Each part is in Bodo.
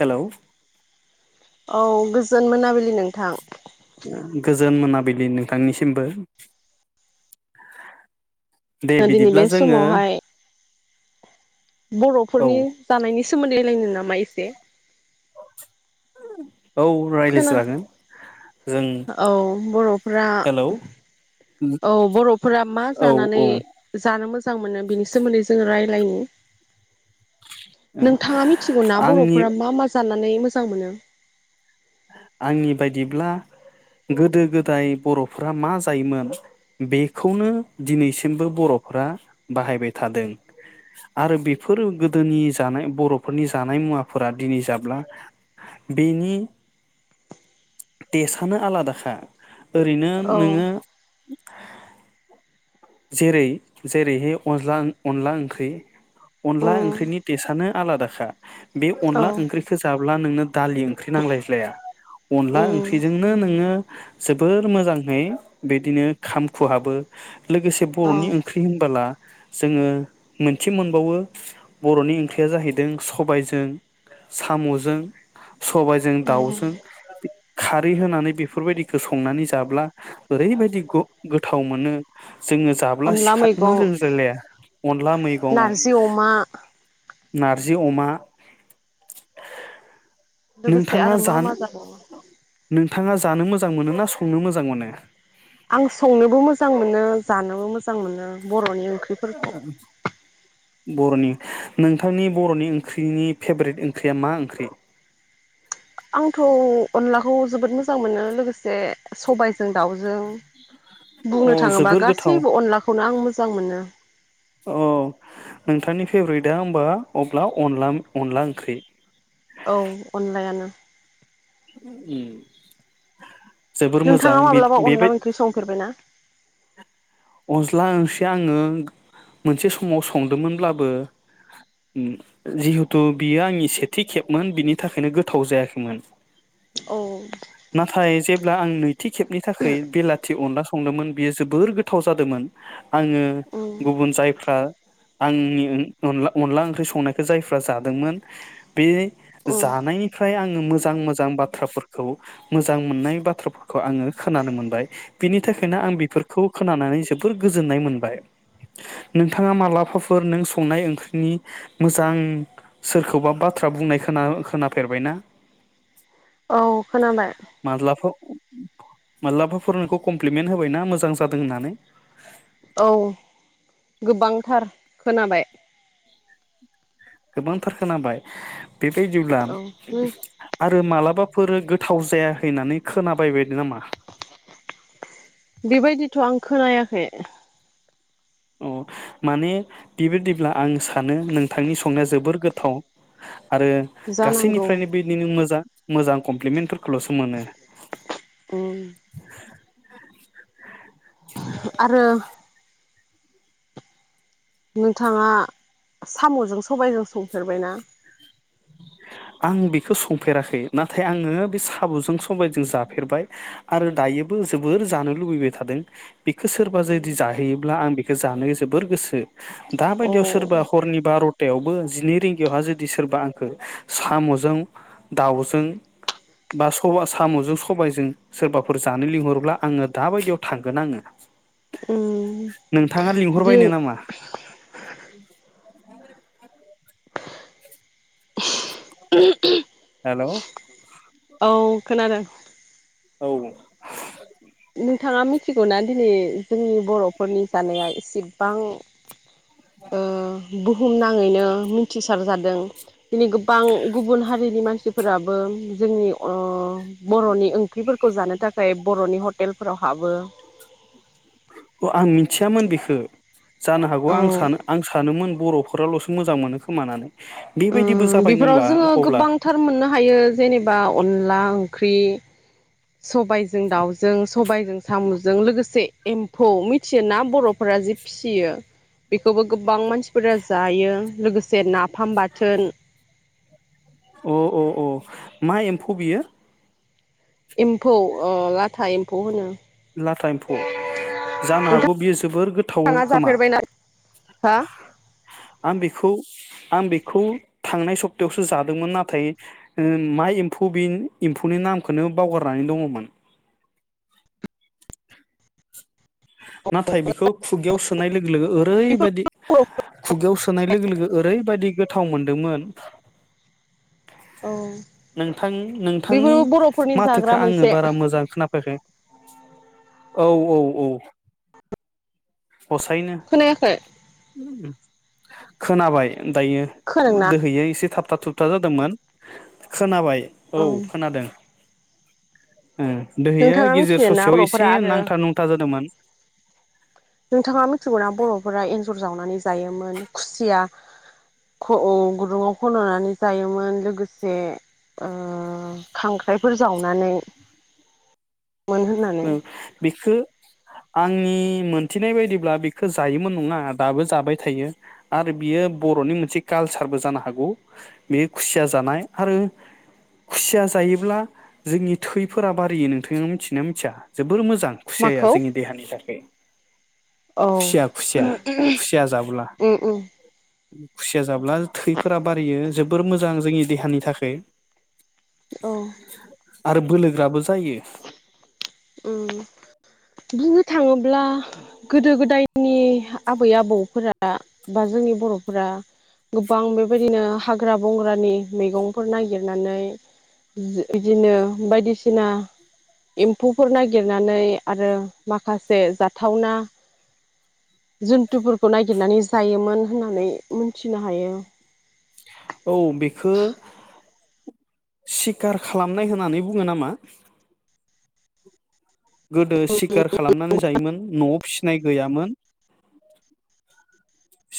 हेलौ औ गोजोन मोनाबिलि नों उम गोज जोन मोनाबिलि नोंथांनिसिमबो दे दिनै बिदिब्ला बे जोङो समावहाय औ बर'फोरनि जानायनि सोमोन्दै लोंनो नामा इसे [inaudible] खोना रायज्लायजागोन जों औ बर'फोरा हेलौ औ बर'फोरा मा औ जानानै औ जानो मोजां जां मोनो बिनि सोमोन्दै जोंङो रायलायनि नोंथाङा मिथिगौना आंनि बर'फोरा मा मा जानानै मोजां मोनो आंनि बायदिब्ला गोदो गोदाय बर'फोरा मा जायोमोन बेखौनो दिनैसिमबो बर'फोरा बाहायबाय थादों आरो बेफोर गोदोनि जानाय बर'फोरनि जानाय मुवाफोरा दिनै जाब्ला बेनि टेसआनो आलादाखा ओरैनो औ नोङो [inaudible] जेरै जेरैहाय अनला अनला ओंख्रि उम अनला ओंख्रिनि टेसआनो आलादा खा बे औ अनला ओंख्रिखौ जाब्ला नोंनो दालि ओंख्रि नांलायज्लाया अनला उम ओंख्रिजोंनो नोङो जोबोर मोजांहै बिदिनो खामखुहाबो लोगोसे औ बर'नि उम ओंख्रि होनबोला जोङो मोनसे मोनबावो बर'नि ओंख्रिया जाहैदों सबायजों साम'जों सबाइजों दाउजों अनला खारै होनानै बेफोरबायदिखौ संनानै जाब्ला ओरैबायदि गोथाव मोनो जोङो जाब्ला सिखारनो मैगं रोंलायलाया अनला मैगं नारजि अमा नारजि अमा लोगोसे नोंथाङा आरो मा मा जानो जाबावो नोंथाङा जानो मोजां मोनो ना संनो मोजां मोनो आं संनोबो मोजां मोनो जानोबो मोजां मोनो बर'नि ओंख्रिफोरखौ बर'नि नोंथांनि बर'नि ओंख्रिनि फेभ्रेट ओंख्रिया मा ओंख्रि आंथ' अनलाखौ जोबोद मोजां मोनो लोगोसे सबायजों दाउजों बुंनो अ थाङोबा जोबोर गोथाव गासैबो अनलाखौनो आं मोजां मोनो अ नोंथांनि फेभरेटआ होबा अब्ला अनला अनला ओंख्रि औ अनलायानो उम नोंथाङा माब्लाबा अनला ओंख्रि संफेरबाय ना अनज्ला ओंसिआङो मोनसे समाव संदोंमोनब्लाबो जिहेथु बियो आंनि सेथि खेबमोन बिनि थाखायनो गोथाव जायाखैमोन औ नाथाय जेब ब्ला आं नैथि खेबनि थाखाय बेलाथि अनला संदोंमोन बेयो जोबोर गोथ थाव जादोंमोन आङो उम गुबुन जाय फ्रा आंनि अन अनला ओंख्रि संनायखौ जायफ्रा जादोंमोन बे उम जानायनिफ्राय आङो मोजां मोजां बाथ्राफोरखौ मोजां मोननाय बाथ्राफोरखौ आङो खोनानो मोनबाय बिनि थाखायनो आं बेफोरखौ खोनानानै जोबोर गोजोननाय मोनबाय नोंथाङा मालाबाफोर नों संनाय ओंख्रिनि मोजां सोरखौबा बाथ्रा बुंनाय खोना खोनाफेरबायना औ खोनाबाय मालाबा फोर नोंखौ कमप्लिमेन्ट होबाय ना मोजां जादों होननानै औ गोबांथार खोनाबाय गोबांथार खोनाबाय बेबायदिब्ला औ आरो मालाबा फोरो गोथाव जायाखै होनानै खोनाबायबाय नामा बेबायदिथ' आं खोनायाखै अ माने बेबायदिब्ला आं सा सानो नोंथांनि संनाया जोबोर गो थाव आरो जानांगौ गासैनिफ्रायनो बेदिनो मोजां मोजां कम्लिमेन्टफोर ल'सो मोनो [inaudible] उम आरो नोंथाङा साम'जों सबाइजों संफेरबायना आं बेखौ संफेराखै नाथाय आङो बे साम'जों समबायजों जाफेरबाय आरो दायोबो जोबोर जानो लुबैबाय थादों बेखौ सोरबा जुदि जाहैयोब्ला आं बेखौ जानो जोबोर गोसो अ दाबायदियाव सोरबा हरनि बार'थायावबो जिनै रिंगायावहा जुदि सोरबा आंखौ साम'जों दाउजों बा साम'जों सबायजों सोरबाफोर जानो लिंहरोब्ला आङो दाबायदियाव थांगोन आङो उम नों थाङा दि लिंहरबायनो नामा [unintelligible] हेलौ औ खोनादों औ नोंथाङा मिथिगौना दिनै जोंनि बर'फोरनि जानाया एसेबां ओ बुहुम नाङैनो मिथिसारजादों दिनै गोबां गुबुन हारिनि मानसि फोराबो जोंनि ओ बर'नि ओंख्रिफोरखौ जानो थाखाय बर'नि हटे हटेलफोरावहाबो अ आं मिथियामोन बेखौ जानो हागौ औ आं सानो आं सानोमोन बर'फो फोरालसो मोजां मोनो खोमा होननानै उम बेफोराव जोङो गोबांथार मोननो हायो जेनेबा अनला ओंख्रि सबायजों दाउजों सबायजों साम'जों लोगोसे एम्फौ मिथियोना बर'फोरा जि फिसियो बेखौबो गोबां मानसिफोरा जायो लोगोसे ना फाम बाथोन अ अ अ मा एम्फौ बियो एम्फौ ओ लाथा एम्फौ होनो लाथा एम्फौ जानो हागौ बियो जोबोर गोथाव नोंथाङा खोमा जाफेरबायना हा आं बेखौ आं बेखौ थांनाय सप्तायावसो जादोंमोन नाथाय मा एम्फौ बे एम्फौनि नामखौनो बावगारनानै दङमोन नाथाय बिखौ खुगायाव सोनाय लोगो लोगो ओरैबायदि बेफोर खुगायाव सोनाय लोगो लोगो ओरैबायदि गोथाव मोनदोंमोन औ नोंथां नोंथांनि बेफोरबो बर'फोरनि जाग्रा माथोखौ आङो मोनसे बारा मोजां खोनाफायाखै औ औ औ हसायैनो खोनायाखै खोनाबाय दायो खोनादोंना दोहैयो एसे थाब थाब थुब होबथा जादोंमोन खोनाबाय औ खोनादों ओ दोहैयो नोंथाङा गेजेर मिथियोना ससेयाव बर'फोरा एसे आरो नांथा नुंथा जादोंमोन नोंथाङा मिथिगौना बर'फोरा एन्जर जावनानै जायोमोन खुसिया गु गुदुङाव खन'नानै जायोमोन लोगोसे ओ खांख्राइफोर जावनानै मोन होननानै ओं बेखो आंनि मोनथिनाय बायदिब्ला बेखौ जायोमोन नङा दाबो जाबाय थायो आरो बियो बर'नि मोनसे कालसारबो जानो हागौ बेयो खुसिया जानाय आरो खुसिया जायोब्ला जोंनि थैफोरा बारियो नोंथाङा मिथि ना मोनथिया जोबोद जोबोर मोजां खुसियाया माखौ? जोंनि देहानि थाखाय औ खुसिया खुसिया खुसिया जाब्ला। उम उम खुसिया जाब्ला थैफोरा बारायो जोबोर मोजां जोंनि देहानि थाखै औ [inaudible] आरो बोलो गोराबो जायो। उम बुंनो थाङोब्ला ब्ला गोदो गोदाय जोंनि आबै आबौफोरा बा जोंनि बर'फोरा गोबां बेबायदिनो हाग्रा बंग्रानि मैगंफोर नागिरनानै बि बिदिनो बायदिसिना एम एम्फौफोर नागिरनानै आरो माखासे जाथावना जुन्थुफोरखौ नागिरनानै जायोमोन होननानै मिथिनो हायो। औ बेखो सिखार खालामनाय होननानै बुङो नामा? गोदो सिखार खालामनानै जायोमोन न'आव फिसिनाय गैयामोन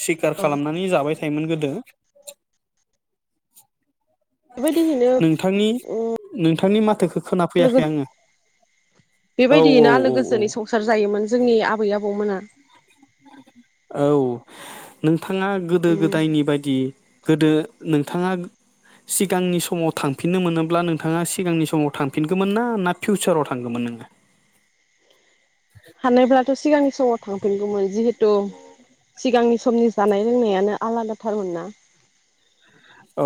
सिखार औ खालामनानै जाबाय थायोमोन गोदो। बेबायदिहैनो नोंथांनि नोंथांनि माथोखौ खोनाफैयाखै आङो औ बेबायदियैनो आलो औ औ गोजोनै संसार जायोमोन जोंनि आबै आबौ आबौमोना औ नों नोंथाङा गोदो उम गोदायनि बायदि गोदो नोंथाङा सिगांनि समाव थांफिननो मोनोब्ला नोंथाङा सिगांनि समाव थांफिनगौमोन ना ना फिउचाराव थांगौमोन नोङो। हानोब्लाथ' सिगां समाव थांफिनगौमोन जिहेथु सिगांनि समनि जानाय लोंनायानो आलादाथारमोन ना? औ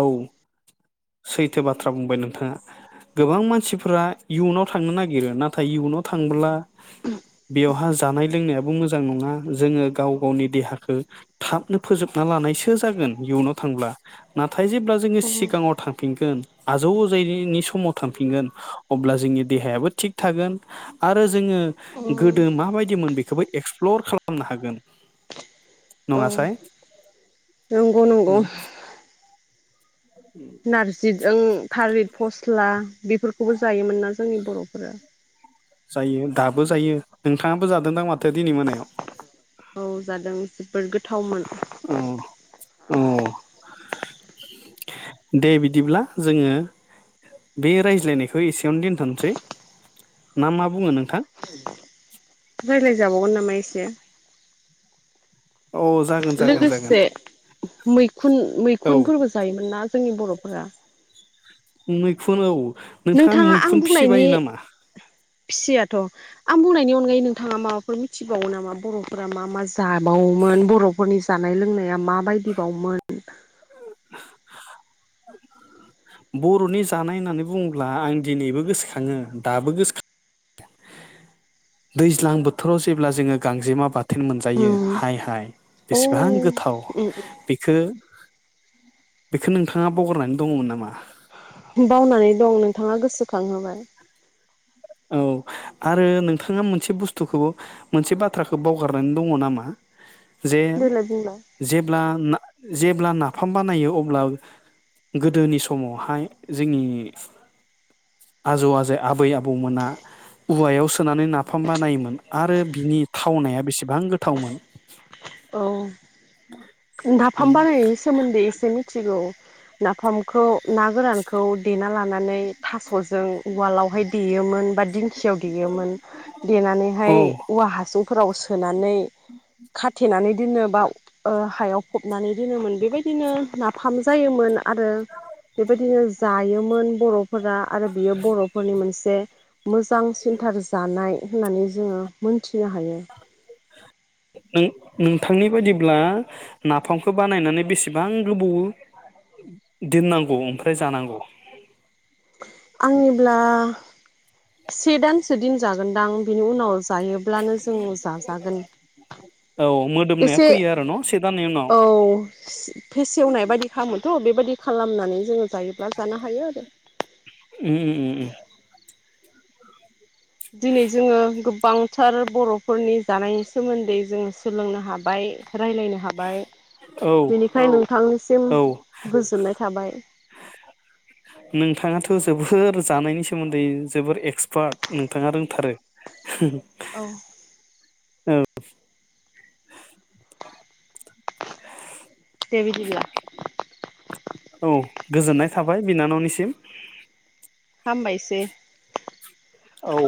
सैथो बाथ्रा बुंबाय नोंथाङा गोबां मानसिफोरा इयुनाव थांनो नागिरो नाथाय इयुनाव थांब्ला बेवहाय जानाय लोंनाया बो मोजां नङा जोङो गाव गावनि देहाखौ थाबनो फोजोबना लानायसो जागोन इयुनाव थांब्ला नाथाय जेब्ला जोङो सिगाङाव थांफिनगोन आजौ आजैनि समाव थांफिनगोन अब्ला जोंनि देहयाबो थिख थागोन आरो जों जोङो गोदो औ मा बायदिमोन बेखौ एक्स प्लर खालामनो हागोन। औ नङासाय नंगौ नंगौ। नारजि जों थारिल फस्ला बेफोरखौबो जायोमोन ना जोंनि बर'फोरा। जायो दाबो जायो नोंथाङाबो जादोंदां माथो दिनै मोनायाव। थावमोन। अ अ दे बिदिब्ला जोङो बे रायज्लायनायखौ एसेयावनो दोनथ'सै। ना मा बुङो नोंथां? रायज्लाय जाबावगोन नामा एसे अ जागोन जागोन जागोन लोगोसे मैखुन औ मैखुनफोरबो जायोमोन ना जोंनि बर'फोरा मैखुन औ नोंथाङा आं मैखुन बुंनायनि फिसिबायो नामा फिसियाथ' आं बुंनायनि अन नगायै नोंथाङा माबाफोर मिथिबावो नामा बर'फोरा मा मा जाबावोमोन बर'फोरनि जानाय लोंनाया मा बायदि बावमोन। बर'नि जानाय होननानै बुङोब्ला आं दिनैबो गोसोखाङो दाबो गोसो खाङो दैज्लां बोथोराव जेब्ला जोङो गांजेमा बाथोन मोनजायो हाय हाय अ बेसेबां गो थाव बेखो बेखौ नोंथाङा बावगारनानै दङमोन नामा? मा बावनानै दं नोंथाङा गोसोखांहोबाय। औ आरो नोंथाङा मोनसे बुस्थुखौबो मोनसे बाथ्राखौ बावगारनानै दङ नामा। जे देलाय बुंलाय जेब्ला ना जेब्ला नाफाम बानायो अब्ला गोदोनि समावहाय जोंनि आजौ आजै आबै आबौ आबौमोना औवायाव सोनानै नाफाम बा नायोमोन आरो बिनि थावनाया बेसेबां गोथावमोन। औ नाफाम बानायनायनि सोमोन्दै एसे मिथिगौ। नाफामखौ ना गोरानखौ देना ला नानै थास'जों उवालावहाय देदोंमोन बा दिं सियाव देयोमोन। औ देनानैहाय औवा हासुं फोराव सोनानै खाथेनानै दोनो बा ओ हायाव फबनानै दोनोमोन बेबायदिनो नाफाम जायोमोन। आरो बेबायदिनो जायोमोन बर'फोरा आरो बियो बर'फोरनि मोनसे मोजां सिन्थार जानाय होननानै जोङो मोनथिनो हायो। नों नोंथांनि बायदिब्ला नाफामखौ बानायनानै बेसेबां गोबौ दोननांगौ ओमफ्राय जानांगौ? आंनिब्ला से दानसो दिन जागोनदां बिनि उनाव जायोब्लानो जों जाजागोन औ मोदोमनाया एसे फैयो आरो न' से दाननि उनाव औ फेसेवनायबायदि खालामोथ बायदि खालामनानै जो जायोब्ला जानो हायो आरो उम उम उम दिनै जोङो बांथार बर' फोरनि जानायनि सोमोन्दै जोङो सोलोंनो हाबाय राय्लायनो हाबाय औ बेनिखाय नोंथांनिसिम औ गोजोननाय थाबाय नोंथाङाथ' जोबोर जानायनि सोमोन्दै जोबोर एकस पार्ट नोंथाङा रोंथारो औ। ओं। दे बिदिब्ला औ गोजोननाय थाबाय। बिनानावनिसिम हामबायसै। औ।